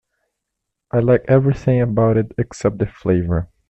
I like everything about it except the flavor.